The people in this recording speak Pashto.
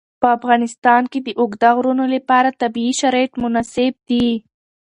په افغانستان کې د اوږده غرونه لپاره طبیعي شرایط مناسب دي.